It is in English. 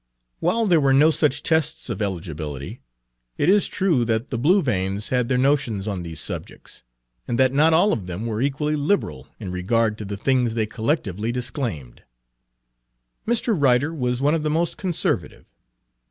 While there were no such tests of eligibility, it is true that the Blue Veins had their notions on these subjects, and that not all of them were equally liberal in regard to the things they collectively disclaimed. Mr. Ryder was one of the most conservative.